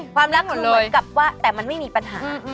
ความรักหนูเหมือนกับว่าแต่มันไม่มีปัญหา